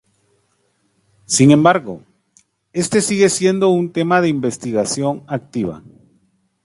Sin embargo, este sigue siendo un tema de investigación activa.